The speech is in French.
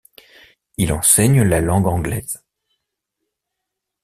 Il enseigne la langue anglaise.